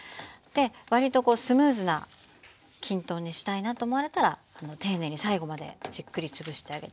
わりとスムーズなきんとんにしたいなと思われたら丁寧に最後までじっくり潰してあげて下さい。